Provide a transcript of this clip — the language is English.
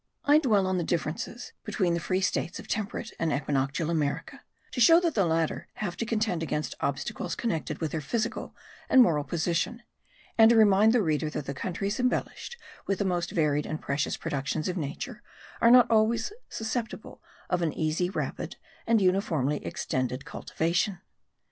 I dwell on the differences between the free states of temperate and equinoctial America, to show that the latter have to contend against obstacles connected with their physical and moral position; and to remind the reader that the countries embellished with the most varied and precious productions of nature, are not always susceptible of an easy, rapid, and uniformly extended cultivation.